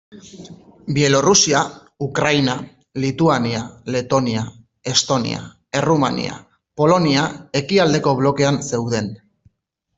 Bielorrusia, Ukraina, Lituania, Letonia, Estonia, Errumania, Polonia ekialdeko blokean zeuden.